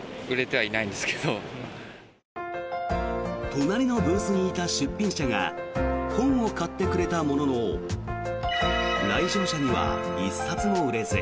隣のブースにいた出品者が本を買ってくれたものの来場者には１冊も売れず。